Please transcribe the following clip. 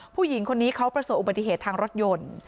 ผู้หญิงคนนี้เขาประสบอุบัติเหตุทางรถยนต์